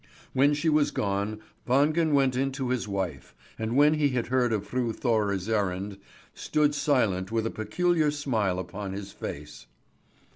When she was gone, Wangen went in to his wife, and when he had heard Fru Thora's errand, stood silent with a peculiar smile upon his face.